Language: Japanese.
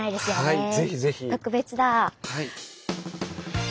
はい。